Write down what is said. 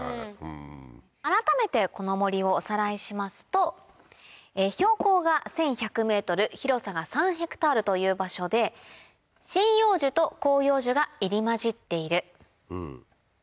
改めてこの森をおさらいしますと標高が１１００ｍ広さが３ｈａという場所で針葉樹と広葉樹が入り交じっている。